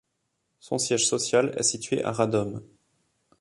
Son siège social est situé à Radom.